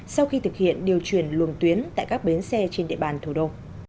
sau khi thực hiện điều chuyển luồng tuyến tại các bến xe trên địa bàn thủ đô